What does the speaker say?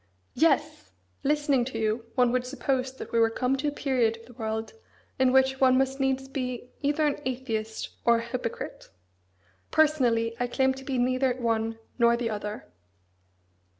"Yes! Listening to you, one would suppose that we were come to a period of the world in which one must needs be either an atheist or a hypocrite! Personally, I claim to be neither one nor the other."